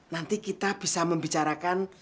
nanti kita bisa membicarakan